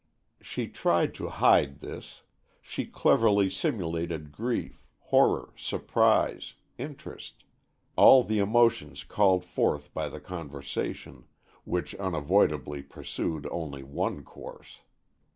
She tried to hide this. She cleverly simulated grief, horror, surprise, interest,—all the emotions called forth by the conversation, which unavoidably pursued only one course.